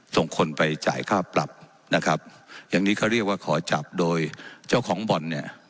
ส่งคนไปจ่ายค่าปรับนะครับอย่างนี้เขาเรียกว่าขอจับโดยเจ้าของบ่อนเนี่ย